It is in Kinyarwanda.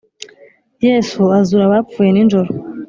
yesu azura abapfuye ninjoro